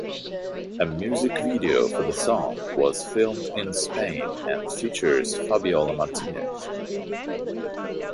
A music video for the song was filmed in Spain and features Fabiola Martinez.